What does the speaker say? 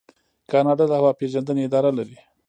کاناډا د هوا پیژندنې اداره لري.